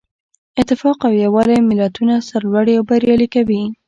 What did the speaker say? اتفاق او یووالی ملتونه سرلوړي او بریالي کوي.